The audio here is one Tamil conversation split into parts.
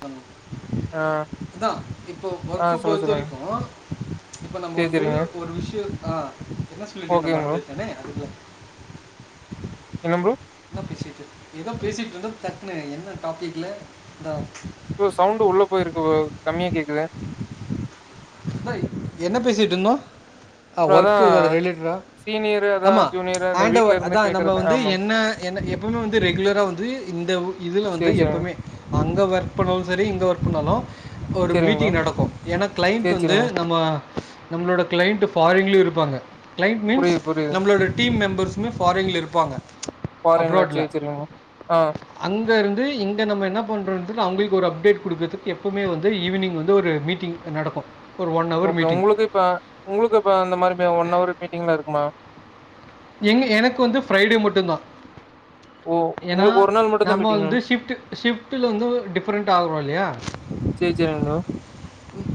சொண்ண ஆ அதான் இப்போ ஆ ஒர்க்க சொல்ல பொறுத்த சொல்லுங்க. வரைக்கும் ச்சு இப்ப நம்ம சரி, வந்து சரிங்க. ஒரு விஷயம் ஆஹ் என்ன சொல்லிட்டு இந்த ஓகேங்க ப்ரோ. மறந்துச்சனே அதுக்குல என்ன ப்ரோ என்ன பேசிட்டு ஏதோ பேசிட்டு இருந்த தக்குன்னு என்ன டாபிக்ல இந்த ப்ரோ சவுண்ட உள்ள போயிருக்கு கம்மியா கேக்குது அதா என்ன பேசிட்டு இருந்தோ அ ப்ரோ ஒர்க் அதான் அது ரிலேடடா அ சீனியர் அதான் ஆமா ச்சு ஜூனியர் அந்த ஹாண்ட் வீட்ல ஓவர் இருந்து அதா நம்ம கேட்கறது வந்து ஆமாம். என்ன என் எப்போவுமே வந்து ரெகுகரா வந்து இந்த இதுல வந்து சரி, சரிங்க. எப்பவுமே அங்க ஒர்க் பண்ணாலும் செரி இங்க ஒர்க் பண்ணாலும் இப்ப ஒரு சரிங்க ப்ரோ. மீட்டிங் நடக்கும் ஏன்னா கிளென்ட் ட்டு சரி, வந்து சரிங்க. நம்ம நம்மளோட கிளைண்டட் ஃபாரின்லயும் இருப்பாங்க கிளைண்டட் மீன்ஸ் புரியுது, புரியுது. நம்மளோட டீம் மெம்பர்ஸ் டுமே ஃபாரின்ல இருப்பாங்க ச்சு ஃபாரின்ல அப்ரோட்ல சரி, சரிங்க. ஆ அங்க இருந்து இங்க நம்ம என்ன பண்றோண்டு அவங்களுக் ஒரு அப்டேட் கொடுக்கிறதுக்கு எப்பவுமே வந்து ஈவினிங் வந்து ஒரு மீட்டிங் நடக்கும் ஒரு ஒன் ஹவர் ஓகே மீட்டிங் உங்களுக்கு இப்ப உங்களுக்கு இப்ப அந்த மாரிமே ஒன் அவர் மீட்டிங்ல இருக்குமா எங்க எனக்கு வந்து ஃப்ரைடே மட்டும் தான் ஓ! ஏன்னா உங்களுக்கு நாள் மட்டும் தான் நம்ம மீட்டிங்கா? வந்து ஷிஃப்ட் ஷிஃப்ட் வந்து டிஃப்ரெண்ட் ஆகுறோம் இல்லயா சரி, சரிங்க ப்ரோ.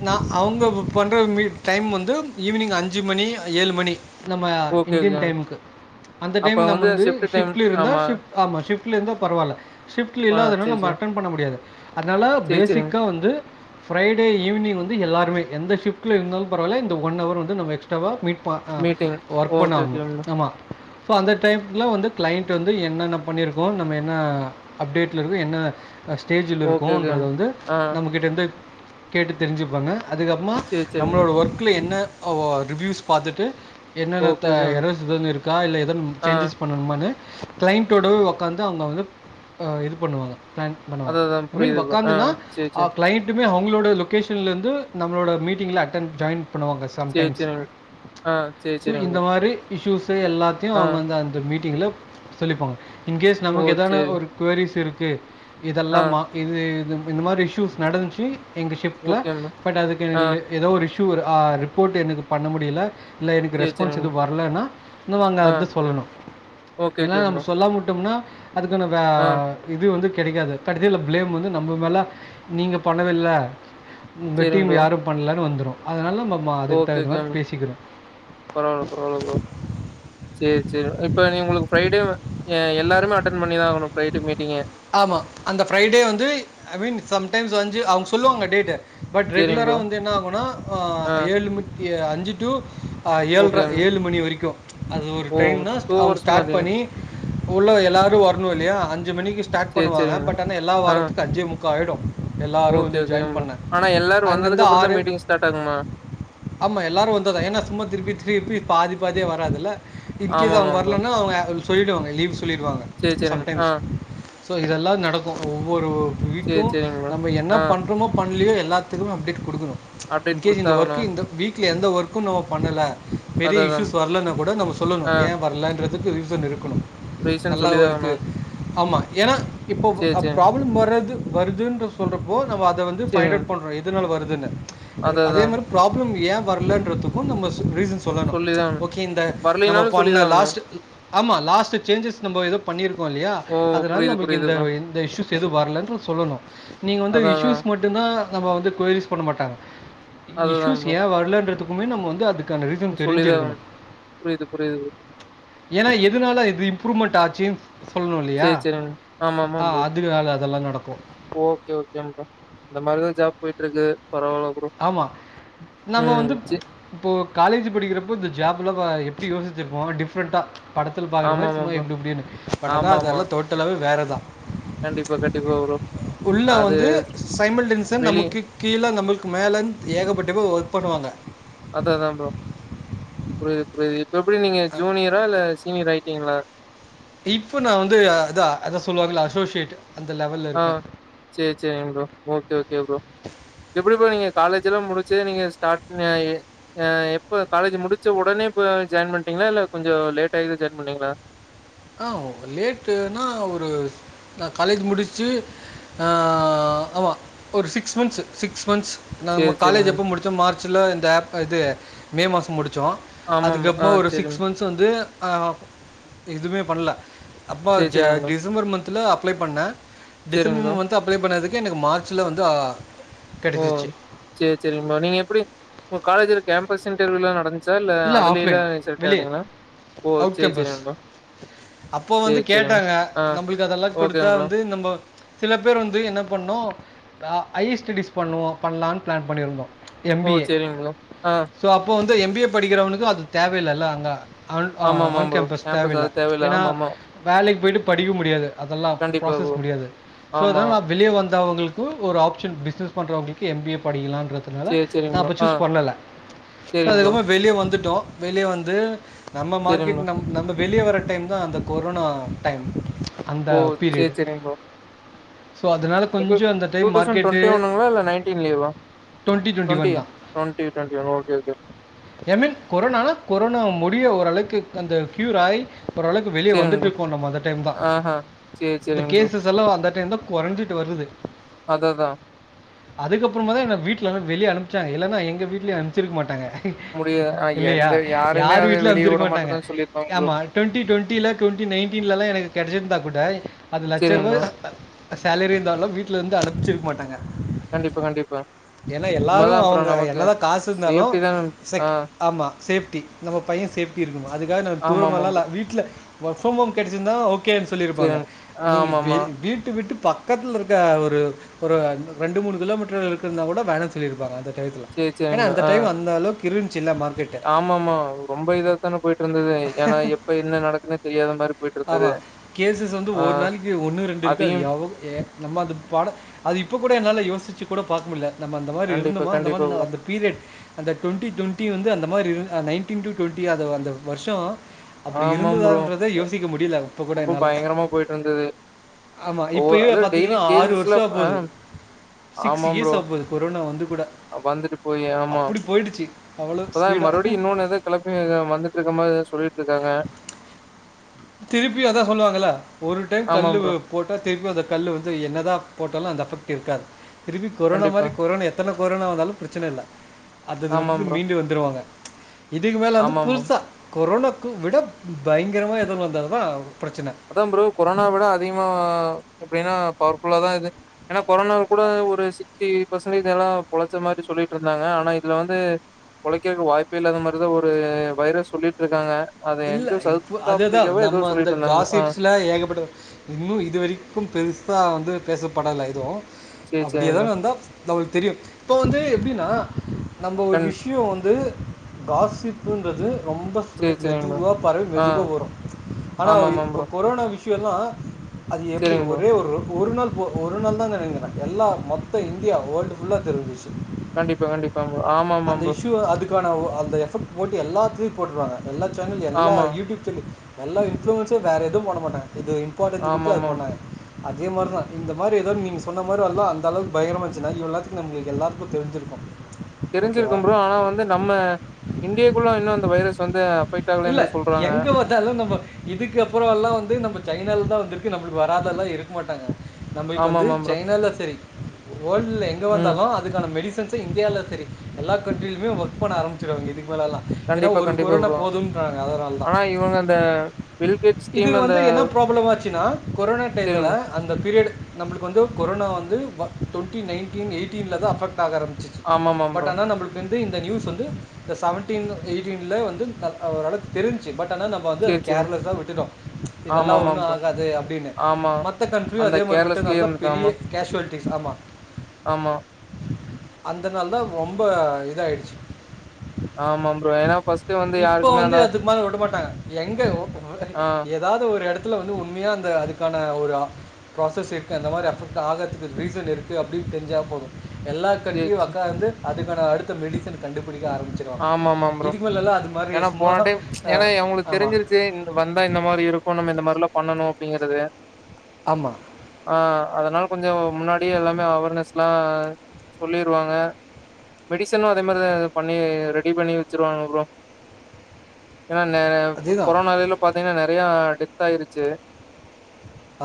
நா அவங்க பண்ணுற மீட் டைம் வந்து ஈவினிங் அஞ்சு மணி ஏழு மணி நம்ம ஓகே, இந்தியன் ஓகேங்க. டைமுகு அந்த அப்ப டைம் நம்ம வந்து ஷிஃப்ட் டைம் ஷிஃப்ட்ல இருந்தா ஆமா. ஷிஃப்ட் ஆமா ஷிஃப்ட்ல இருந்தா பரவாயில்ல ஷிஃப்ட்ல ஆ இல்லாததுனால சரி, நம்ம சரி. அட்டன் பண்ண முடியாது அதனால சரி, சரிங்க. பெசிக்கா வந்து ஃப்ரைடே ஈவினி்ங் வந்து எல்லாருமே எந்த ஷிஃப்ட்ல இருந்தாலும் பரவால இந்த ஒன் அவர் வந்து நம்ம எக்ஸ்ராவா மீ்ட் பா ஹா மீட்டிங். ஒர்க் பண்ண ஓகே, ஆகணும் ஓகேங்க ப்ரோ. ஆமா ஸோ அந்த டைம்ல வந்து கிளைண்ட்டு வந்து என்னென்ன பண்ணியிருக்கோம் நம்ம என்ன அப்டேட்ல இருக்கோ என்ன அ ஸ்டேஜ்ல ஓகே, இருக்கும்ன்றத ஓகேங்க. வந்து ஆ. நம்மக்கிட்ட இருந்து கேட்டு தெரிஞ்சுப்பாங்க அதுக்கப்புறமா சேரி சேரிங்க. நம்மளோட ஒர்க்கில என்ன அவா ரிவ்யூஸ் பாத்துட்டு என்னென்ன ஓகே த ஓகே மேம். எரஸ்எதுன்னு இருக்கா இல்ல எது ஆ சேஞ்சஸ் பண்ணணுமான்னு கிளைண்டடோடவே உக்காந்து அவங்க வந்து அஹ் இது பண்ணுவாங்க பிளான் பண்ணுவாங்க அதான் அதான் ஐ மீன் புரியுது ப்ரோ. ஆ உட்க்காந்துனா சேரி ஆ சேரி. கிளைண்ட் ன்வே அவுங்களோட இ லொக்கேஷன்ல இந்து நம்ளோட மீட்டிங்ல அட்டென் ஜாயின் பண்ணுவாங்க சேரி சம்டைம்ஸ் சேரிங்க. ஆ சேரி சோ சேரிங்க இந்த ப்ரோ. மாரி இஸ்சூஸ் து எல்லாத்தியு ஆ அவுங்க அந்து அந்த மீட் [unintelligible] சொல்லிப்பாங்க இன்கேஸ் ஓ நமக்கு எதான சேரிங்க. ஒரு கொரிஸ் இரு கே இதெல்லா ஆ மா இது இது ப இந்த மாரி இஷ்யூஸ் நடந்ச்சி எங்க ஷிஃப்ட்ல ஓகே மேம். பட் அதுக்கு ஆ [unintelligible] ஏதோ ஒரு இ டூர் ஆ ரிப்போர்ட் என்னுக்கு பண்ண முடில இல்ல எனக்கு சேரி சேரிங்க ரெஸ்பான்ஸ் மேம். எதும் வரலனா ஆ [unintelligible] சொல்லணு ஓகே எல்லா ஓகே நம்ப ப்ரோ. சொல்லாம் உட்டும்னா அதுக்கான வே ஆ இது வந்து கெடைக்காது கடசில பிளேம் வந்து நம்ம மேல நீங்க பண்ணவில்ல உங்க சேரிங்க டீம் ப்ரோ. யாரோ பண்லனு வந்துரோ அதனால ஓகே ஓகே அனந்த் பரவால பரவால ப்ரோ சேரி சேரி இப்ப நீ உங்குளுக்கு ஃப்ரீடே வ ஏ எல்லா திம்ம அட்டென் பண்ணிதா ஆவனு ஆமா அந்த ஃப்ரீடே வந்து ஐ மீன் சம்டைம்ஸ் வஞ்சு அவுங் சொல்லுவாங்க டேட்டு பட் சேரிங்க ரெகுலரா ப்ரோ. வந்து என்னா ஆகுனா ஆ ஏழுமி ஏ அஞ்சு டூ ஆ ஓகே ஏழ்ட்ர மேம். ஏழு மணி வெரிக்கோ அது ஒரு ஓ டைம்தா அவுங்க ஹவர்ஸ் ஸ்டார்ட் மாரியா? பண்ணி உள்ள எல்லாரோ வரணு ப்டே அஞ்சு மணிக்கு ஸ்டார்ட் சேரி பண்ணுவாங்க சேரிங்க மேம். பட் ஆனா எல்லா ஆ வாரத்துக்கு அஞ்சே மு காயிடோ எல்லாரோ ஓகே வந்து ஓகே ஜாயின் மேம். பண்ண ஆனா எல்லாரும் அங்கிந்து வந்ததுக்கப்புறம் தான் ஆறு மீட்டிங் ஸ்டார்ட் ஆகுமா? ஆமா எல்லாரோ வந்தாதா ஏனா சும்மா திருப்பி தீர்பி பாரி ப பாதியே வராதுல இன்கேஸ் அவுங்க ஆமாமாம் ப்ரோ. வர்லனா அவுங்க ஆ சொல்லிடுவாங்க லீவ்ஸ் லிட்வாங்க சேரி ச்ச சேரிங்க. சம் ஆ. ஸ் சோ இதெல்லா நடக்கு ஒவ்வொரு சேரி குவிக்கு சேரிங்க மேம். நம்ம என்ன ஆ பண்றோமோ பண்ண எல்லாத்துக்கு அப்டே் கொடுக்கணு இன அப்டேட் கேஸ் இந்த ஒர்க் குடுத்தாகணும். இந்த வீக் எந்த ஒர்க்கு நம்ம பண்ணல அத பெரிய அதான் இஷயூஸ் வரலன்னா கூட நம்ம சொல்லணு ஆ ஏ வரலன்ற அதுக்கு ரீசன் இருக்கணு ரீசன் சொல்லிதா ஆகணு ஆமா ஏனா இப்போ ப்ராப்ளம் வர்றது வருதுன்ற சொல்ற போ நம அத வந்து சேரிங்க பைண்ட் அவு் மேம். பண்றோ எதனால வருது துனு அத அதே அதான் மாரி ப்ராப்ளம் ஏ வரலன்றதுக்கு நம்ப ரீசன் சொல்லணு சொல்லிதான் ஆகணும். ஓகே இந்த நம்ம வரலைனாலும் பண்ண சொல்லிதான் ஆகணும். லாஸ்ட் ஆமா லாஸ்ட் சேஞ்சஸ் நம்ப யெதோ பண்ணிரு கோ இல்லையா ஓ! அதனால புரியுது நம்மளுக்கு புரியுது இந்த ப்ரோ. எந்த இஷூஸ் எதுவு வரல சொல்லணு நீங்க வந்து அதான் இஷயூஸ் அதான். மட்டுதா நம்ம வந்து குயரீஸ் பண்ண மாட்டாங்க அதுதான் இஸ்யூஸ் ப்ரோ. ஏ வரலன்றதுக் ன் நம்ம வந்து அது கான ரீசன் சொல்லிதான் தெரிஞ்சிருக்கணு ஆகணும். புரியுது புரியுது ப்ரோ. ஏனா எதுனால இது இம்ப்ரூவ்மெண்ட் ஆச்சு சேர் செரி ஆமா ஆமா ஆ ப்ரோ அதனால அதெல்லாம் நடக்கும். ஓகே ஓகேங் ப்ரோ இந்த மாரிதா ஜாப் போயிட்ருக்கு ஆமா நம்ம ம். வந்து சி இப்போ காலேஜ் படிக்கிறப்போ இந்த ஜாப்லா பா எப்டி யோஸ்ச்சிருப்போ டிஃப்ரெண்ட்டா படத்தில பாக்கற மாரி ஆமாமா சும்மா ப்ரோ. இப்டி இப்டினு பட் ஆனா ஆமாமா. அதெல்லா டோட்டலவே வேற தா கண்டிப்பா கண்டிப்பா ப்ரோ உள்ள அது வந்து சைமல்டேன்ஸா வெளி நமக்கு கீழ நமக்கு மேலன் ஏகப்பட்ட பேர் க் பண்ணுவாங்க அதா அதான் ப்ரோ புரியுது புரியுது இப்ப எப்டி நீங்க ஜூனியரா இல்ல சீனியர் ஆயிட்டீங்களா இப்ப நான் வந்து இதா அதா சொல்வாங்கள அசோசியேட் அந்த லெவல்ல இருக்கேன். ஆஹ் செர் செரிங் ப்ரோ ஓகே ஓகே ப்ரோ எப்டி ப்ரோ நீங்க காலேஜ்லாம் முடிச்சு நீங்க ஸ்டார்ட் அ அ எப்போ காலேஜ் முடிச்ச உடனே இப்போ ஜாயின் பண்டீங்களா இல்ல கொஞ்சோ லேட்டாயி ஜாயின் பண்ணிங்களா ஆ லேட்டுனா ஒரு நா காலேஜ் முடிச்சு நா ஆமா ஒரு சிக்ஸ் மந்த்ஸ் சிக்ஸ் மந்த்ஸ் நாம்ம சேரி சேரிங்க காலஜ் எப்போ முடிச்சோ மார்ச் ஆக்சுவலா இந்த ஆப் இது மே மாசம் முடித் வச்சோ ஆமாம் ஆ அதுக்கப்பறோ ஒரு சேரிங் சிக்ஸ் மந்த்ஸ் வந்து ஆ எதுவுமே பண்ணல அப்ப சேரி ஜ சேரிங்க ப்ரோ டிசம்பர் மன்த் இதில அப்ளை பண்ணே சேரிங்க ப்ரோ டிசம்பர் மந்த் அப்ளை பண்ணதுக்கு இது எனக்கு மார்ச்ல வந்து ஓ கிடச்சிச்சு சேர் செரிக ப்ரோ நீங்க எப்படி உங்க காலேஜ்ல கேம்பஸ் இன்டர்வூலா நட இல்ல ஆஃப்லைன் வெளிய ஓ அவுட் சேரி கேம்பஸ் சேரிங்க ப்ரோ அப்போ வந்து சேரி சேரிங்க கேட்டாங்க ஆ நம்ளுக்கு அதெல்லா குடுத்தா ஓகேங்க ப்ரோ வந்து நம்போ சில பேர் வந்து என்ன பண்ணோ ஐயர் ஸ்டடீஸ் பண்ணுவோ பண்ணலான்னு பிளான் பண்ணிருந்தோ எம் ஓ பி ஏ சேரிங்க ப்ரோ ஆ சோ அப்போ வந்து த எம் பி எ படிக்கிறவனுக்கு அது தேவயில்லல்ல அங்க அன் ஆமா அஹ ஆமா ஆன் ப்ரோ கேம்பஸ் தேவையில்ல அது ஏன்னா ஆமா ஆமா வேலைக்கு போயிட்டு படிக்க முடியாது அதெல்லா கண்டிப்பா ப்ராசஸ் ப்ரோ முடியாது சோ ஆமா அதான் நா வெளிய வந்து து அவுங்ளுக்கு ஒரு ஆப்ஷன் பிஸ்னஸ் பண்றவங்ளுக்கு எம் பி ஏ படிகலான் த்துனால சேரி நா சேரிங்க ப்ரோ அப்ப ஆ சூஸ் பண்ணல சோ சேரிங் ப்ரோ அதுக்கப்றோ வந்துட்டோ வெளிய வந்து நம்ம சேரிங் ப்ரோ மார்க்கெட் நம் நம்ப வெளிய வர டைம் தா அந்த கொரோனா டைம் அந்த ஓ சேர் பீரியடு சேரிங் ப்ரோ ஸோ அதனால எப்டி கொஞ்சம் அந்த two time thousand market twenty ஒன்னுங்ளா இல்ல நைன்டீன்லேவா டுவெண்ட்டி டுவெண்ட்டி ஒன் ட்வொண்ட்டியா தான் ட்வொண்ட்டி ட்வொண்டிஒன் ஒகே ஒகே என்னக் கொரோனா கொரோனா முடிய ஓரளவுக்கு அந்த க்யூர் ஆய் ஓரளவுக்கு வெளியே சேரிங் ப்ரோ வந்துட்ருக்கோ நம்ம அந்த டைம் தா ஆஹா சேரி இந்த சேரிங் ப்ரோ கேஸ்ஸஸ் எல்லா அந்த டைம் தா கொறஞ்சிட்டு வருது அத்தத்தா அதுக்கப்புறமா தா என்ன வீட்லல்லா வெளிய அனுப்ச்சாங்க இல்லன்னா எங்வீட்லயு அனுப்ச்சிருக்க மாட்டாங்க முடிய ஆ இல்லியா எந்த யாருமே யார் அத வீட்லயு வெளிய விட அம்ச்சிருக்க மாட்டாங்க மாட்டேதான்னு சொல்லிருக்காங்க ப்ரோ ஆமா ட்வொண்ட்டி ட்வொண்ட்டில ட்வொண்ட்டி நைன்டின்ல லா எனக்கு கேடச்சிருந்தா புடாய் அது லட்ச சேரிங் ப்ரோ ரூபாய் சேலரி இருந்தாலு வீட்லருந்து அனுப் அம்ச்சிர்க் மாட்டேங்க கண்டிப்பா கண்டிப்பா உண்மதா எல்லாரும் அப்றோ நமக்கு சேஃப்டி தா தெக் ஆமா சேஃப்டி நம்ம பய்ய சேஃப்டி இருக் அதுக்காக நா ஆமா ஆமா தூரமாலால ப்ரோ வீட்ல ஒர்க் ஃப்ரம் ஹோம் கெடச்சிர்ந்தா ஓக் கேன் சொல்லிருப்பாங்க சேரிங் நீங்க ஆமா வெ ஆமா வீட்ட விட்டு பக்கத்லருக்க ஒரு ஒரு ரெண்டு மூணு கிலோமீட்டர் இருக்குன்னா கூட வேணா சொல்லிருப்பாங்க அந்த த இத்லா சேரி ஏனா சேரிங் ப்ரோ அந்த ஆ டைம் அந்தளவுக் இருந் சின்ன மார்க்கெட்டு ஆமா ஆமா ரொம்ப இதாத்தான போயிட்டு இருந்தது ஏன்னா எப்ப என்ன நடக்குன்னே தெரியாத மாரி போயிட்டு இருந்தது ஆமா கேசஸ் வந்து ஆ ஒரு நாளிக்கு ஒன்னு ரெண்டு இருக்கு அது அதையும் எவ் எ நம்ம அந்த படத் அது இப்ப கூட என்னால யோசிச் சிக் கூட பாக் முட்ல நம்ம அந்த மாரி கண்டிப்பா இருந்தமா அந்த மா கண்டிப்பா நா ப்ரோ அந்த பீரியட் அந்த டொண்ட்டி வந்து அந்த மாரி இர் நைன்டின் டு டொண்ட்டி அது அந்த வர்ஷோ அப்டி ஆமா ப்ரோ இருந்ததான்றதே யோசிக்க முடில இப்ப கூட ரொம்ப என்னால பயங்கரமா போயிட்டு இருந்தது ஆமா ஓ இப்பயே அது டெய்லி பாத்திங்னா ஆறு கேசஸ்ல வர்ஷோ ஆ ஆப்போது சிக்ஸ் ஆமா இயர்ஸ் ப்ரோ ஆவ்போது கொரோனா வந்து கூட. வந்துட்டு போயி ஆமா அப்படி போயிடுச்சு. அவ்வளோ இப்பதா ஸ்பீடா. மறுப்டியூ இன்னொன் எதோ கெளம்பி வந்துட்ருக்க மாரி சொல்லிட்ருக்காங் காங்க திருப்பியூ அதா சொல்லுவாங்கள ஒரு டைம் ஆமா கல்லு ப்ரோ போட்டா திருப்பியூ அந்த கல்லு வந்து என்னதா போட்டாலூ அந்த அஃபெக்ட் இருக்காது திரும்பி கொரனா கண்டிப்பா மாரி கொரன் எத்தன கொரோனா வந்தாலூ ப்ரச்சனல்ல ஆமா அதுலேந்து ப்ரோ மீண்டு வந்துருவாங்க இதுக்கு மேலே வந்து ஆமா ப்ரோ புதுசா கொரோனா கு விடப் பயங்கரமா வந்ததா அதா ப்ரோ கொரோனா விட அதிகமா எப்டின்னா பவர்ஃபுல்லா தா இது ஏனா கொரோனா கூட ஒரு சி டீ பசன்ட்டேஜ் எல்லா பொழைச்ச மாத்ரி சொல்லிட்ருந்தாங்க ஆனா இதுல வந்து பொழைக்கிறதுக்கு வாய்ப்பு இல்லாத மாத்ரிதா ஒரு வைரஸ் சொல்லிட்ருக்காங்க இல்ல இப்போ அதேதா நம்ம அந்த சொல்லிட்டு இருந்தாங்க ஆ காசிப் ல ஏகப்பட்ட இன்னு இதுவரைக்கு பெருசா வந்து பேசப்படல எதுவு சேரி அப்படியே சேரிங்க எதானாந்தா நமளுக்கு தெரியு இப்போ வந்து எப்படினா நம்ம ஒரு ப்ரோ விஷயோ வந்து காசிப்புன்றது ரொம்ப ஃலே சேரி சேரிங்க மெதுவாக பறவி ஆ மெதுவா வரு ஆனா ஆமாமா இப்போ ப்ரோ. கொரோனா விஷயோ எல்லா அது எப்படி சரிங்க ப்ரோ. ஒரே ஒரு ஒரு நாள் ஒ ஒரு நாள்தானு நெனைக்கிற எல்லா மொத்த இந்தியா வேர்ல்டு புல்லா தெரிஞ்சுருச்சு கண்டிப்பா, கண்டிப்பா ப்ரோ. ஆமாமா அந்த ப்ரோ. இஷ்யூவ அதுக்கான அந்த எஃபர்ட் போட்டு எல்லாத்தயு போட்டுருவங்க எல்லா சேனல் எல்லா ஆமா, யூடியூப் செல் எல்லா இன்பிலுன்ஸு வேறு எதுவும் பண்ண மாட்டாங்க இது இம்பார்ட்டன் குடுத்து அது ஆமாமாம். பண்ணாங்க அதே மார்தா இந்த மாரி எதாவது நீங்க சொன்ன மாரி அல்லா அந்தளவுக்கு பயங்கரமா வெச்சுந்தாங் இவ எல்லாத்துக்கு நம்ம எல்லாத்துக்குமே தெரிஞ்சிருக்கு தெரிஞ்சிருக்கு ப்ரோ ஆனா வந்து நம்ம இந்தியக்குள்ள இன்னு வைரஸ் வந்து அஃபெக்ட் இல்ல ஆகலன்னு தான் சொல்றாங்க. எங்க வந்தாலு நம்ம இதுக்கு அப்புறோ எல்லா வந்து நம்ம சைனாலதா வந்துரு க்கு நம்மளுக்கு வராதெல்லா இருக்க மாட்டாங்க நம்மளுக்கு வந்து ஆமாமா ப்ரோ. சைனால சரி வேர்ல்ட்ல எங்க ம். வந்தாலு அதுக்கான மெடிசன் டிஸ்டன்ஸே இந்தியாலதா தெரியு எல்லா கண்ட்ரியிலுமே ஒர்க் பண்ண ஆரம்பிச்சுருவாங்க இதுக்கு மேல்ல்லா ஏனா கண்டிப்பா, ஒரு கண்டிப்பா கொரோனா ப்ரோ. போதும்றாங்க அதனாலதா ஆனா இவங்க அந்த பில் கேட்ஸ் இது டீம் அந்த வந்து என்ன ப்ராப்ளமா ஆச்சுனா கொரோனா டையத்துல சரிங்க. அந்த பீரியடு நம்மளுக்கு வந்து கொரோனா வந்து வ டுவெண்ட்டி நைன்டீன் எயிட்டீன்லதா அபெக்ட் ஆக ஆரம்பிச்சுச்சு ஆமாமா பட் ப்ரோ. ஆனா நம்மளுக்கு என் இந்த நியூஸ் வந்து இந்த செவன்டீன் எயிட்டீன்ல வந்து [unintelligible] அவர அளவு தெரிஞ்சு பட் ஆனா நம்ம வந்து சரி, சரிங்க. கேர்லஸா விட்டுட்டோ ப்ச் இதெல்லா ஆமாமா ஒன்னு ப்ரோ. ஆகாது அப்டினு ஆமா. மத்த கன்றியு அந்த அதேமாரி கேர்லெஸ்லயே விட்டதுனாலதா இருந்துட்டு பெரிய ஆமா. கேஷுவல்டீஸ் ஆமா ஆமா, அந்த நாள்தா ரொம்போ இதாயிடுச்சு ஆமா ப்ரோ ஏனா பர்ஸ்ட் வந்து இப்போ யாருக்குமே வந்து அந்த அது மாரி விட மாட்டாங்க எங்க ஆ எதாவது ஒரு எடத்துல வந்து உண்மையா அந்த அதுக்கான ஒரு ப்ராசஸ் இருக்கு அந்த மாதிரி அஃபெக்ட் ஆகறதுக்கு ரீசன் இருக்கு அப்படினு தெரிஞ்சா போது எல்லா சரி, கண்றியு சரி. ஒக்காந்து அதுக்கான அடுத்த மெடிசன் கண்டு புடிக்க ஆரம்பிச்சிருவாங்க ஆமாமா ப்ரோ. இதுக்கு மேலல்லாம் அது ஏன்னா சும்மா போன டைம் ச் அ ஏன்னா எவங்களுக்கு ஆமா. தெரிஞ்சிருச்சு வந்தா இந்த மாரி இருக்கும் நம்ம இந்த மாரிலாம் பண் ணணும் அப்டிங்கறது ஆமா. ஆஹ் அதனா கொஞ்சோ முன்னாடியே எல்லாமே அவர்னஸ் லா சொல்லிடுவாங்க மெடிசனும் அதே மாரி தா எதோ பண் ணி ரெடி பண்ணி வச்சிருவாங்க ப்ரோ ஏன்னா நெ அதேதான். கொரோனா வேலேல பாத்தீங்கன்னா நெறையா டிப் த்தாயிருச்சு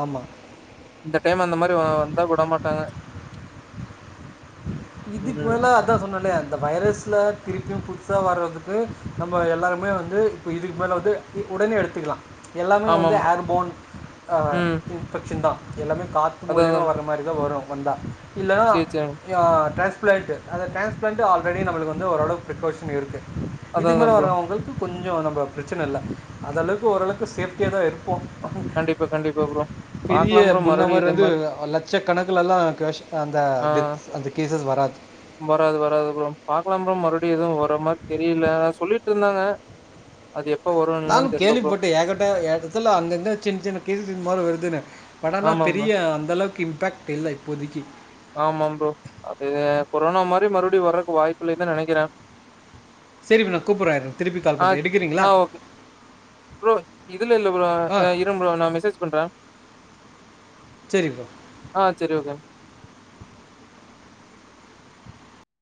ஆமா. இந்த டைம் அந்த மாரி வந்தா விட மாட்டாங்க இதுக்கு ம் மேல அதான் சொன்னேல அந்த வைரஸ்ல திருப்பியும் புதுசா வர்றதுக்கு நம்ம எல்லாருமே வந்து இப்போ இதுக்கு மேல வந்து உடனே எடுத்துக்கலாம் எல்லாமே ஆமா வந்து ப்ரோ ஏர் போன் ம் இன்ஃபெக்ஷன் தான் எல்லாமே காத்து அதா மூலிமா அதா வர்ற மாரி தான் வரும் வந்தா இல்லனா சேரி சேரி ஏ ட்ரான்ஸ்பிளான்ட் அந்த ட்ரான்ஸ்பிளான்ட்டு ஆல்ரெடி நமளுக்கு வந்து ஓரளவுக்கு ப்ரொக்கஷன் இருக்கு அதா இதுக்கு அதா மேல ப்ரோ வரவுங்களுக்கு கொஞ்சோ நம்ம பிரச்சன இல்ல அந்தளவுக்கு ஓரளவுக்கு சேஃப்டியா தா இருப்போம். கண்டிப்பா கண்டிப்பா ப்ரோ பெரிய பாக்கலாம் ப்ரோ முன்ன மறுபடியு மாரி இதே வந்து லட்ச கணக்குலலா கேஷ் அந்த டெத் அது வராது-வராது ப்ரோ பாக்கலாம் ப்ரோ மறுபடியும் எதுவு வர்ர மாரி தெரியல சொல்லிட்ருந்தாங்க அது எப் நானு கேள்வி பட்டே ஏகட்ட எடத்துல அங்கங்க சின்- சின்ன கேஸ் இது மாரி வருதுன்னு சடனா ஆமா ப்ரோ பெரிய அந்தளவுக்கு இம் இம்பாக்ட் இல்ல இப்போதிக்கி ஆமாம் ப்ரோ அது கொரோனா மாரி மறுபடியும் வர்றக்கு வாய்ப்பு இல்லைனுதா நெனக்கிறே சரி இப்போ நான் கூப்பிட்றேன் இருங்க திருப்பி கால் பண்ணுறேன் எடுக்கிறீங்களா ஆஹ்-ஆஹ் ஓகே ப்ரோ இதுல இல்ல ப்ரோ ஆ இருங்க ப்ரோ நா மெசேஜ் பண்றன் சரி ப்ரோ ஆஹ் சரி ஓகே